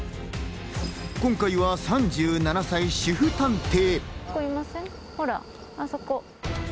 今回は３７歳、主婦探偵。